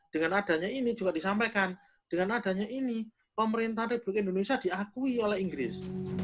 dengan adanya ini juga disampaikan dengan adanya ini pemerintah republik indonesia diakui oleh inggris